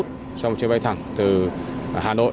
trong chuyến bay thẳng từ hà nội